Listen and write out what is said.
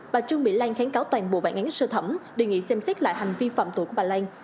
bà trương mỹ lan kháng cáo toàn bộ bản án sơ thẩm đề nghị xem xét lại hành vi phạm tội của bà lan